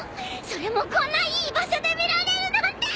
それもこんないい場所で見られるなんて！